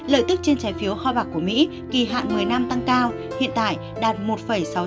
lợi tức trên trái phiếu kho bạc của mỹ kỳ hạn một mươi năm tăng cao hiện tại đạt một sáu trăm năm mươi bảy